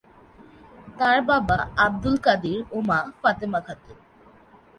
তার বাবা আবদুল কাদির ও মা ফাতেমা খাতুন।